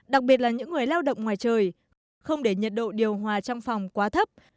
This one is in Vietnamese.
đặc biệt là những người lao động ngoài trời không để nhiệt độ điều hòa trong phòng quá thấp